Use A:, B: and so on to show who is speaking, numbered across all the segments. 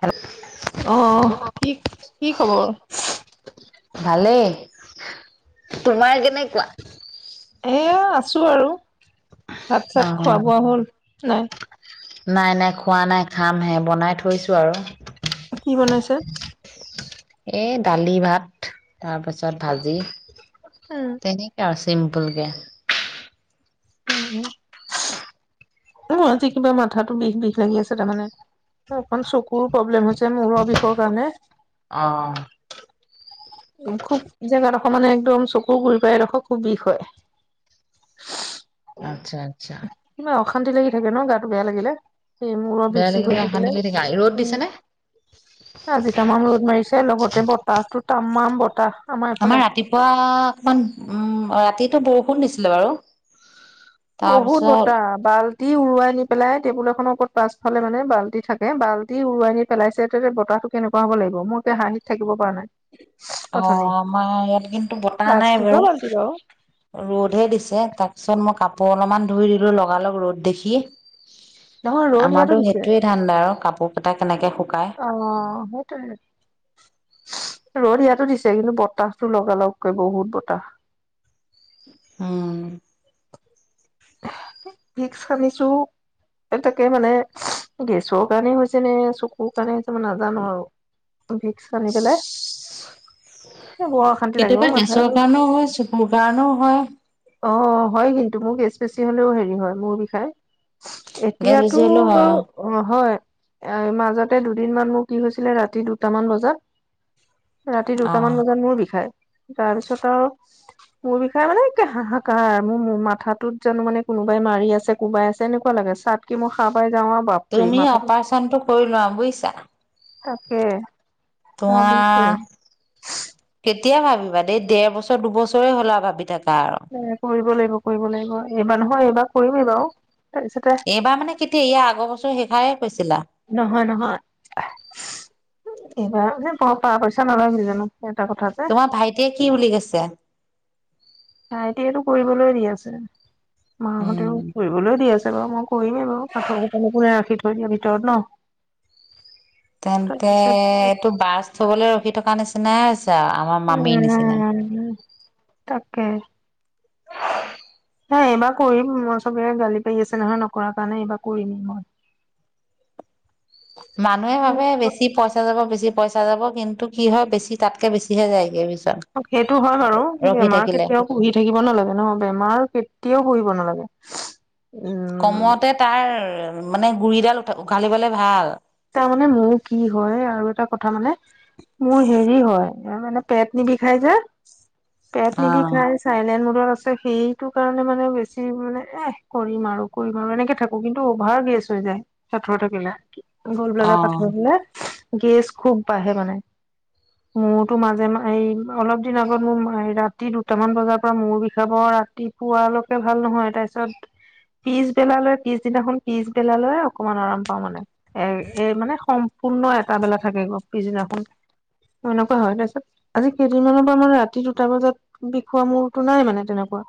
A: Hello.
B: আহ আহ। কি, কি খবৰ?
A: ভালেই, তোমাৰ কেনেকুৱা?
B: এয়া, আছো আৰু। ভাত চাত খোৱা
A: অ',
B: বোৱা হ'ল? নাইহোৱা।
A: নাই নাই খোৱা নাই। খামহে, বনাই থৈছোঁ আৰু।
B: কি বনাইছে?
A: এই দালি ভাত। তাৰপাছত ভাজি।
B: উম,
A: তেনেকে আছে। চিম্পুলকে।
B: উম উ। অ আজি কিবা মাথাটো বিষ বিষ লাগি আছে তাৰমানে। অকণ চকুৰো প্ৰব্লেম হৈছে মূৰৰ বিষৰ কাৰণে।
A: অ',
B: খুব জ্বৰ আৰু। মানে একদম চকুৰ গুৰি পৰা এইডোখৰ খুব বিষ হয়।
A: আচ্ছা আচ্ছা।
B: কিবা অশান্তি লাগি থাকে ন গাটো বেয়া লাগিলে। সেই মূৰৰ বিষ
A: বেয়া
B: চিষ হৈ
A: লাগিলে
B: থাকিলে।
A: অশান্তি লাগি থাকে, ৰ'দ
B: উ
A: দিছে নে?
B: আজি দুটামান ৰ'দ মাৰিছে লগতে বতাহটোত তামাম বতাহ।
A: আমাৰ ৰাতিপুৱা অকমান উম, ৰাতিটো বৰষু ষুণ দিছিলে বাৰু।
B: বহুত
A: তাৰপিছত
B: বতাহ বাল ল্টি উৰুৱাই নি পেলাই টেবুল এখনৰ ওপৰত পাছফালে মানে বাল্টি থাকে। বাল্টি উৰুৱাই নি পেলাইছে তেনেহলে বতাহটো কেনেুৱ হব লাগিব! মোৰ এতিয়া হাঁহিত থাকিব পৰা নাই।
A: অ
B: অথনি
A: আমাৰ ইয়াত কিন্তু বতাহ নাই
B: প্লাষ্টিকৰ
A: বাৰু।
B: বাল্টি
A: ৰ'দহে দিছে তাৰপিছত মই কাপ পোৰ অলপমান ধুই দিলো লগালগ ৰ'দ দেখি।
B: নহয় ৰ'দ ইয়াতো
A: আমাৰো
B: দিছে
A: সেইটোৱে ধান্দা আৰু কাপোৰ কেইটা কেনেকে শুকায়।
B: অ সেইটোয়ে ৰ'দ ইয়াতো দিছে। কিন্তু বতাহতো লগা লগকৈ বহুত বতাহ।
A: অ।
B: ভিক্স সানিছোঁ, এ তাকে মানে গেছৰ কাৰণে হৈছে নে চকুৰ কাৰণে হৈছে মই নাজানো আৰু। ভিক্স সানি পেলাই বৰ অশান্তি লাগিব
A: কেতিয়াবা
B: মাথা
A: গেছৰ কাৰণেও হয়, চকুৰ কাৰণেও হয়।
B: অ হয় কিন্তু মোৰ গেছ বেছি হলেও হেৰি হয়, মূৰ বিষায়।
A: গেছ
B: এতিয়াটো
A: বেছি হ'লেও হয়
B: বাৰু, অ হয়। এ মাজতে দুদিনমান মোৰ কি হৈছিলে ৰাতি দুটামান বজাত ৰাতি দুটামান
A: অ',
B: বজাত মোৰ বিষায় তাৰপিছত আৰু মোৰ বিষয়ে মানে হাহাকাৰ মোৰ মোৰ মাথাটোত জানো মানে কোনোবাই মাৰি আছে কোবাই আছে এনেকুৱা লাগে চাত কি মোৰ খাহ পাই যাওঁ আৰু বাপৰে
A: তুমি
B: মাথাটো
A: অপাৰচনতটো কৰি লোৱা বুজিছা
B: তাকে ভাবিছো
A: তোমাৰ এতিয়া ভাবিবা দেই ডেৰ বছৰ দুবছৰে হ'লা ভাবি থাকে
B: ন কৰিবৰি লাগিব কৰিব লাগিব এইবাৰ নহয় এইবাৰ কৰিমেই বাৰু তাৰপিছতে
A: এইবাৰ মানে কেতিয়া ইয়া আগৰ বছৰ শেষাই
B: নহয় নহয় এইবাৰ প পইচা নালাগি জানো এটা কথা যে
A: তোমাৰ ভাইটিয়ে কি উ গৈছে
B: হা এতিয়াাতটো কৰিবলৈয় দিিয় আছে
A: উম।
B: মাহঁতেও ফুৰিবলৈ দি আছে ছে বাৰু মই কৰিমেই বাৰু পাঠৰ ক কোাই ৰাখি থৈ দিয়া ভিতৰত ন
A: তেন্তে
B: তাৰপিছত
A: এইটো বাছ থবলৈ ৰখি থকা নিচিনাাই
B: উম তাকে
A: [inaudible]
B: হ এইবাৰ কৰিম মই চবে গালি পাৰি আছে নহয় নকৰৰা কাৰণে এইবাৰ কৰিমেই মই
A: মানুহে ভাবে বেছি পইচা যাব বেছি পইচা যাব কিন্তু কি হয় বেছি তাতকে বেছিহে যায়গৈ
B: সেইটো হয় বাৰু
A: ৰখি
B: বেমাৰ
A: থাকিলে
B: কেতিয়াও পুহি থাকিব নালাগে নহ বেমাৰ কেতিয়াও পুহিব নালাগে উম
A: কমতে তাৰ মানে গুৰিডাল উ উঘালি পালে ভাল
B: তাৰমানানে মোৰ কি হয় আৰু এটা কথা মানে মোৰ হেৰি হয় মানে পেট নিবিষাই যে পেট নিবিি
A: আহ
B: খাই চাইলে ম আছে সেইটো কাৰণে মানে বেছি মানে এহ কৰিম আৰু কৰিম আৰুো এনেকে থাকো কিন্তু অভাৰ গেছ হৈ যায় সথৰ থাকিলেি গোল বলজা
A: আহ
B: পাঠাব বলে গেছ খুব বাঢ়ে মানে মৌতো মাজে ম এই অলপ দিন আগত মোৰ ৰাতি দুটামান বজাৰ পৰা মূৌ বিষাব ৰাতিপুৱালৈকে ভাল নহয় তাৰপিছত পিছবেলা লৈ পিছদিনাখন পিছবেলালৈ অকমান আৰাম পাওঁ মানে এ এ মানে সম্পূৰ্ণ এটা বেলা থাকে গ পিছদিনাখন এনেকুৱা হয় তাৰপিছত আজি কেইদিনমানৰ পৰা মানে ৰাতি দুটা বজাত বিষোৱা মোৰতো নাই মানে তেনেকুৱা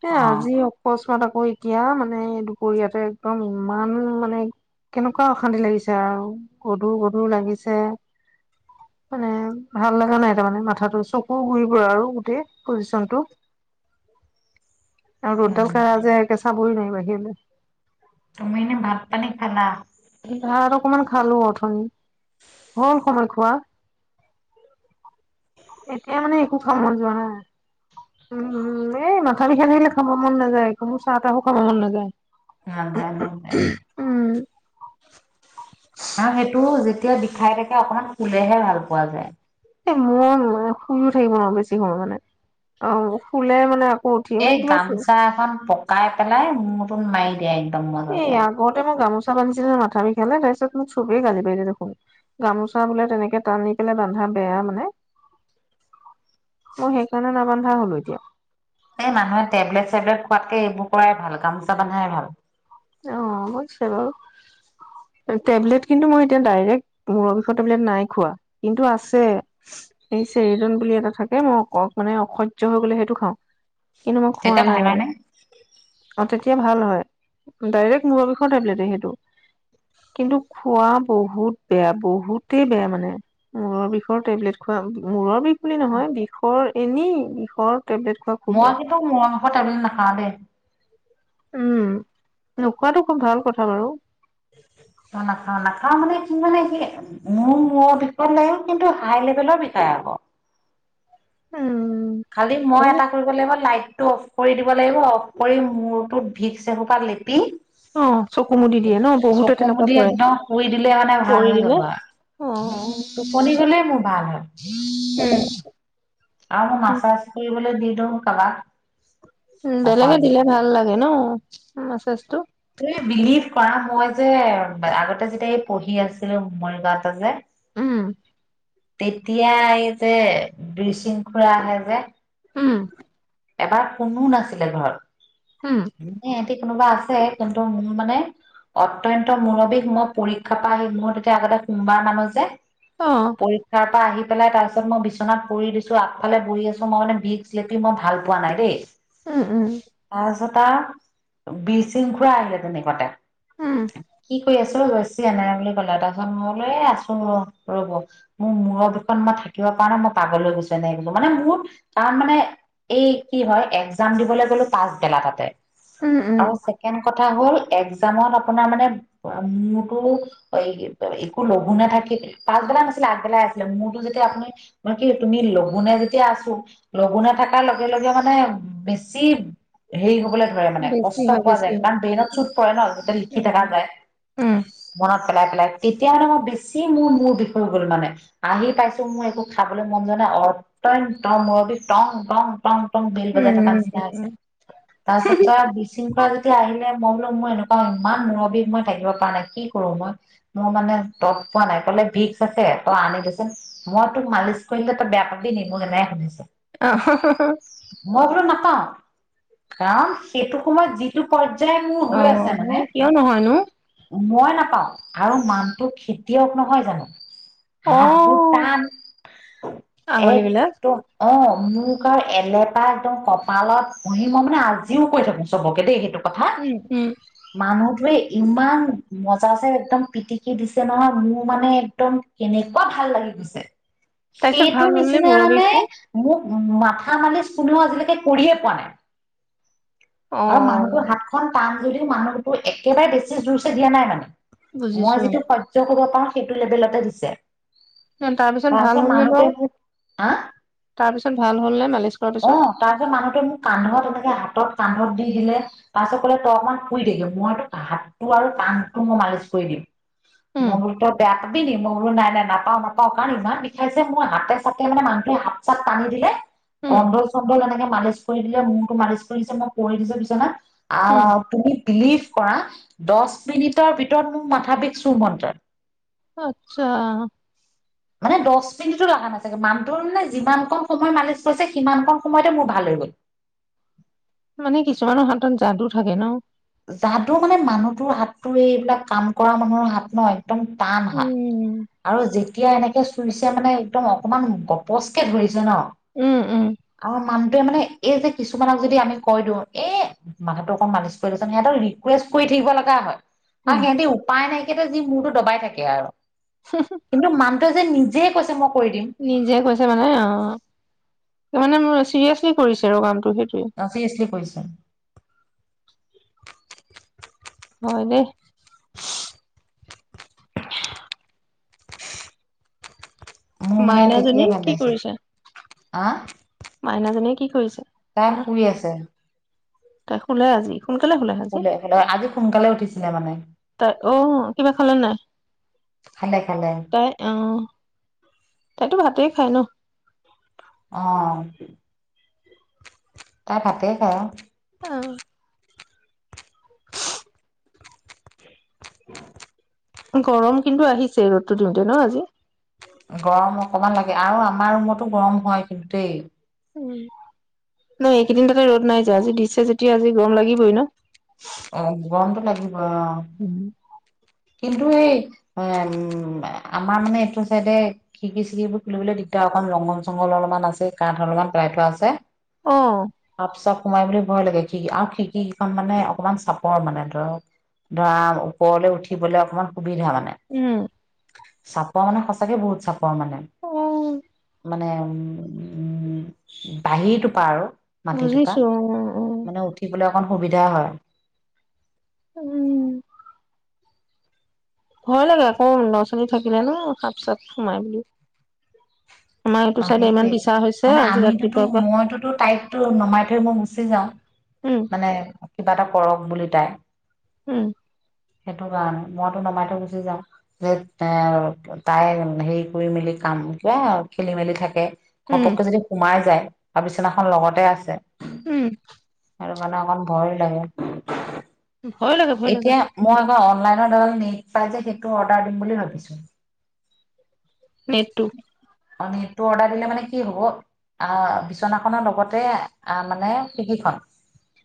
B: স
A: আহ
B: আজি অকস্মাতক অ এতিয়া মানে দুপৰীয়াতে একদম ইমান মানে কেনেকুৱা অশান্তি লাগিছে আৰু গধুৰ গধুৰ লাগিছে মানে ভাল লগা নাই তাৰমানে মাথাটো চকু ঘুৰিব আৰু গোটেই পজিচনটো আৰু ৰোডল
A: উম
B: খজে কে [inaudible]
A: তুমি এনে ভাত পানী খালা?
B: ভাত অকমান খালো অথনি, হল সময় খোৱা। এতিয়া মানে একো খাম মন যোৱা নাই।
A: [inaudible]
B: তথাপি মানে খাব মন নাযায় একো, মোৰ চাহ তাহো খাব মন নাযায়।
A: অহ', নাই-নাই-নাই।
B: উম
A: আৰু সেইটো যেতিয়া বিষাই থাকে, অকমান হুলেহে ভাল পোৱা যায়।
B: মই শুইও থাকিব নোৱাৰো বেছি সময় মানে, অ শুলে মানে উঠি মানে
A: এই
B: কিবা
A: গামচা এখন পকাই পেলাই মোৰ মাৰিদিয়া।
B: এ আগতে মই গামোচা া বান্ধিছিল মাথা বিষালে তাৰপিছত মোক চবেই গালি পাৰিলে দেখোন, গামোচা বোলে তেনেকে টানি পেলাই বানধা বেয়া মানে। মই সেইকাৰণে নাবান্ধা হলো এতিয়া।
A: এই মানুহে টেবলেট-চেবলেট খোৱাতকে এইবোৰ কৰাই ভাল, গামোচা বন্ধাই ভাল।
B: অ হৈছিলোঁ, এ টেবলেট কিন্তু মই এতিয়া ডাইৰেক্ট মূৰৰ বিষৰ টেবলেট নাই খোৱা, কিন্তু আছে। এই চেৰিডন বুলি এটা থাকে মই অ মানে অসহ্য় হৈ গলে সেইটো খাওঁ। কিন্তু খোৱা
A: তেতিয়া
B: নাই
A: ভাল হয়
B: আৰু।
A: নে
B: অহ ভাল হয়। ডাইৰেক্ট মূৰৰ বিষৰ টেবলেটএ সেইটো, কিন্তু খোৱা বহুত বেয়া বহুতে বেয়া মানে। মূৰৰ বিষৰ টেবলেট খোৱা মূৰৰ বিষ বুলি নহয়, বিষৰ এনেই বিষৰ টেবলেট খোৱা খুব
A: মই
B: বেয়া
A: কেতিয়াও মূৰৰ বিষৰ টেবলেট নকাহো দে।
B: উম, নোখোৱাাতটো খুব ভাল কথা বাৰু।
A: অ নাখাও, নাখাও মানে কি মানে কি, মোৰ মূৰৰ বিষ হলে কিন্তু হাই লেভেলৰ বিষয় আকৌ।
B: উম
A: খালি মই
B: তাৰমানে
A: এটা কৰিব লাগিব, লাইট টো অফ কৰি দিব লাগিব, অফ কৰি মূৰটোত ভিক্স এহুপা লেপি
B: অ চকু মুদি দিয়ে ন? বহুতে
A: চকু
B: তেনেকুৱা
A: মুদি
B: কৰে।
A: একদম শুই দিলে মানে ভাল
B: কৰি
A: হৈ যাব
B: দিলে,
A: আৰু।
B: অ
A: টোপনি গলে মোৰ ভাল হয়। আৰু মোৰ মাছাছ কৰিবলৈ দি দিওঁ কাবা
B: বেলেগে দিলে ভাল লাগে ন? মেছেজ টো?
A: ত বিলিভ কৰা মই যে আগতে যেতিয়া এই পঢ়ি আছিলো, মৰিগাঁৱতে যে?
B: উম
A: তেতিয়া এই যে বিচিং খুৰা আহে যে?
B: উম
A: এবাৰ কোনো নাছিলে
B: উম
A: ঘৰত [unintelligible] কোনোবা আছে কিন্তু মোৰ মানে, অত্য়ন্ত মুৰৱী মই পৰীক্ষা পৰা আহি মোৰ তেতিয়া আগতে সোমবাৰ নামে যে?
B: অ
A: পৰীক্ষাৰ পৰা আহি পেলাই তাৰ পিছত মই বিছননা পৰি দিছো আগফালে বহৰি আছো মই মানে বিপি মই ভাল পোৱা নাই দেই
B: উম উম
A: টা বীৰ শৃংখুৰা আহিলে তেনেকুৱাতে
B: উম
A: কি কৰি আছ চব বেছি এনে বুলি ক'লে তাৰপিছত মইলৈ আছো ৰব মোৰ মূৰৰ দুখন মই থাকিব কাৰণে মই পাগলৈ গৈছো এনেোৰ মানে মোৰ কাৰণ মানে এই কি হয় এক্জাম দিবলৈ গ'লো পাচবেলা তাতে
B: উম উম
A: ক হল এক্জামত আপোনাৰ মানে মোৰতো একো লঘু না থাকি পাছবেলা নাছিলে আগবেলা আছিলে মোৰতো যেতিয়া আপুনি ম কি তুমি লুনেে যেতিয়া আছো লঘু না তাৰ লগে লগে মানে বেছি হেৰি হবলৈ মানে
B: বেছি
A: কষ্ট
B: হয়
A: পোৱা
B: বেছি
A: যায়
B: হয়
A: কাৰণ ব্ৰেইনত চুত পৰে ন যতে লিখি থকা
B: উম
A: যায়
B: উম
A: মনত পেলাই পেলাই তেতিয়াানে মই বেছি মোৰ মূোৰ বিষয় গ'ল মানে আহি পাইছো মোৰ একো খাবলৈ মন যোৱা নাই অত্ন্ত মূুৰ বি টং অ প বেল
B: উম
A: বজাই থকা
B: উম
A: নিচিনা
B: উম
A: আছে
B: উম।
A: তাৰপছত বিশৃংখোৱা আহিলে মই বোলো মোৰ এনেকুৱা ইমান মূুৰ বিষ মই থাকিব পৰা নাই কি কৰো মই মোৰ মানে তপ পোৱা নাই কলে ভিক্স আছে তই আনিলচোন মই তোক মালিচ কৰিিললে তই বেয়া পাবি ন মোক এনে শুনিছো
B: আহ
A: মই বোলো নাপাওঁ কাৰণ সেইটো সময়ত যিটো প্য যে মোৰ হৈ আছে মানে
B: অ', কিয় নহয়নো?
A: মই নাপাওঁ আৰু মানটো খেতিয়ক নহয় জানো হাত
B: অ',
A: বুটান
B: আঙুলি বিলাক।
A: একদো অ আম এলেপা একদম কপালত পহি মই মানে আজিও কৈ থাকো চবকে দেই সেইটোক কথা
B: উম, উম,
A: মানুহটোৱে ইমান মজা যে একদম পিটিকি দিছে নহয় মোৰ মানে একদম কেনেকুৱা ভাল লাগি গৈছে
B: তাৰপিছত
A: সেইটো
B: ভাল হ'ল নে
A: নিচিনা
B: মূৰৰ
A: নামে
B: বিষটো?
A: মোক উম কথা মালি কোনেও আজিলৈকে কৰিয়ে পোৱা নাই আৰু মানুহতৰ
B: অ',
A: হাতখন টান যদিও মানুহতো একেবাৰে বেছি জোৰ চ দিয়া নাই মানে মই
B: বুজিছো।
A: যিটো সত্য কব পাও সেইটো লেভেলতে দিছে
B: তাৰপিছত ভাল হলনে
A: মানুহটোৱে
B: বাৰু
A: মোক হা
B: তাৰপিছত ভাল হলনে
A: অ তাৰপিছত মানুহত মোৰ কান্ধত তেনেকে হাতত কান্ধত দি দিলে তাৰপিছত কলে তই অকণমান শুই থাকি মইতো হাতটো আৰু টানটো মই মালিচ কৰি দিম
B: উম,
A: মই বোলো তই বেয়া পাবি নি মই বোলো নাই নাই নাপাও নাপাও কাৰণ ইমান বিষাইছে মই হাতে চাতে মানে মানুহে হাত চাত টানি দিলে
B: উম,
A: কণ্ডল চণ্ডল এনেকে মালিচ দিলে মৰটো মালিচ কৰি দিছে মই কৰি দিছো বিছনা
B: উম,
A: আহ তুমি বিলিভ কৰা দহ মিনিটৰ ভিতৰত মোৰ মাথা বিষছো মন্ত
B: আত্ছা
A: মানে দহ মিনিটো লগা না চাগে মানুটো মানে যিমান ক সময় মালিচ কৰিছে সিমান ক সময়তে মোৰ ভাল হৈ গ'ল
B: মানে কিছুমানৰ হাতত যাদু থাকে ন
A: যো মানে মানুহটোৰ হাততো এইবিলাক কাম কৰা মানুহৰ হাত নয় পাম হা
B: উম,
A: আৰু যেতিয়া এনেকৈ চুইছে মানে একদম অকণমান গপচকে ধৰিছে ন
B: উম, উম,
A: আমাৰ মানুহটোৱে মানে এই যে কিছুমানক যদি আমি কৈ দিওঁ এই মানুহটোো অকণ মালিচ কৰি লৈছে সিহঁতক ৰিকুৱেষ্ট কৰি থাকিব লগা হয় আৰু
B: উম।
A: সিহতি উপায় নাইক যি মূৰো দবাই থাকে আৰু কিন্তু মানটো যে নিজ য কৈছে মোক
B: নিজে কৈছে মানে অ ত মানে মোৰ চিৰিয়াছলি কৰিছে আৰু কাম
A: তয়ে এইখিনি কৰিছ [unintelligible]
B: হয় দে
A: মোৰ মানে তেতিয়াই ভাল লাগিছে আঃ
B: মাইনা জনিয়ে কি কৰিছে
A: তাই
B: না
A: শুই আছে
B: তাই খোলে আজি সোনকালে শুলে আজি
A: শুলে আজি সোনকালে উঠিছিলে মানে
B: তাই অ' কিবা খালে নে নাই
A: খালে খালে
B: তাই আহ তাইতো ভাতেই খায় ন
A: অ তাই ভাতেই খাই
B: অ
A: [unintelligible]
B: গৰম কিন্তু আহিছে ৰ'দতো দিওঁতে ন আজি
A: গৰম অকমান লাগে আৰু আমাৰ ৰুমতো গৰম হয় কিন্তু দেই
B: উ এই এইকেইদিন তাতে ৰ'দ নাই যে আজি দিছে যেতিয়া আজি গৰম লাগিবই ন
A: অ গৰমটো লাগি অঁঃ কিন্তু এই এম আমাৰ মানে এইটো চাইডে খিৰিকি চিৰিকিবোৰ খুলিবলৈ দিগদাৰ অকমান জংগল চংঘল অলপমান আছে কাঠ অলপমান পেলায় থোৱা আছে
B: অ
A: সাপ চাপ সোমাই বুলি ভয় লাগে খিৰিকি আৰু খিৰিকি কেইখন মানে অকমান চাপৰ মানে ধৰক ধৰা ওপৰলৈ উঠি উঠিবলৈ অকণমান সুবিধা মানে
B: উম
A: চাপৰ মানে সঁচাকে বহুত চাপৰ। তামানে
B: অ
A: মানে বাহিৰ টোপা আৰু
B: বুজিছো অ অ।
A: অসুবিধা হয়।
B: উম ভয় লাগে আকৌ লৰা ছোৱালী থাকিলে ন সাপ চাপ সোমাই বুলি। আমাৰ এইটো চাইডে ইমান
A: সেইটোৱে
B: পিছা হৈছে
A: মানে
B: আজি
A: আমিতোতো
B: ৰাতিপুৱাৰ পৰা
A: মইতোতো তাইকো নমাই থৈ মই গুচি যাও
B: উম
A: মানে কিবা এটা। কৰক বুলি তাই।
B: উম।
A: সেইটো কাৰণে মইতো নমাই থৈ গুচি যাম যে এই তাই হেৰি কৰি মেলি কাম ক খেলি মেলি থাকে
B: উম
A: ঘপককে যদি সোমাই যায় আৰু বিছনাখন লগতে আছে
B: উম
A: আৰু মানে অকণ ভয় লাগে
B: ভয় লাগে ভয় লাগে।
A: অনলাইনৰ পৰা নেত পায় যে সেইটো অৰ্দাৰ দিন বুলি ভাবিছো।
B: নেটতু।
A: অ নেটটো অৰ্ডাৰ দিলে মানে কি হ'ব আ বিচনাখনৰ লগতে আ মানে খিৰকিখন।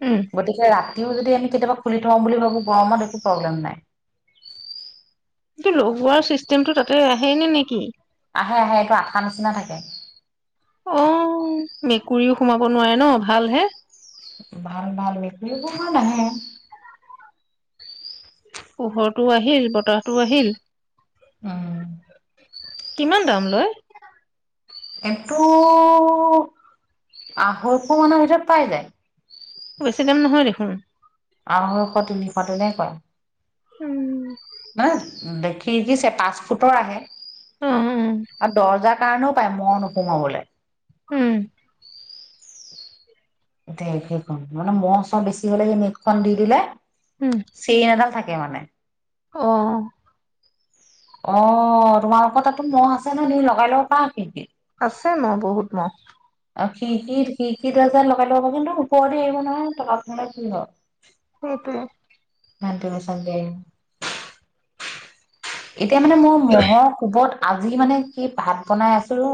B: উম
A: গতিকে ৰা ও যদি আমি কেতিয়াবা খুলি থওঁ বুলি ভাবো গৰমত একো প্ৰব্লেম নাই।
B: কিন্তু লক হোৱাৰ চিষ্টেমটো তাতে আহে নে নেকি?
A: আহে আহে এইটো আঠা নিচিনা থাকে।
B: অ মেকুৰীও সোমাব নোৱাৰে ন ভালহে।
A: ভাল ভাল [unintelligible]
B: পোহৰটো আহিল বতাহটো আহিল।
A: উম
B: কিমান দাম লয়?
A: কিটো আঢ়ৈশ মানৰ ভিতৰত পাই যায়।
B: বেছি দাম নহয় দেখোন।
A: আঢ়ৈশ তিনিশটোনে কয়।
B: উম।
A: খিৰিকিৰ পাঁচ ফুটৰ আহে।
B: অ উম
A: আৰু দৰ্জাৰ কাৰণেও [unintelligible]
B: উম।
A: এয়া সেইখন মানে ম চ বেছি হ'লে স মটখন দি দিলে
B: উম
A: চেইন এডাল থাকে মানে।
B: অ।
A: অ তোমালোকৰ তাতো মহ আছে ন তুমি লগাই লগ পা কিন্তু।
B: আছে মা বহুত মাহ।
A: শিক খ আজাৰ লগাইব কিন্তু ওপৰতে আহিব নহয় টকা পে কিন্ধ।
B: সেইটোৱে।
A: [unintelligible] এতিয়া মানে মোৰ মহৰ কোবত। আজি মানে কি ভাত বনাই আছো।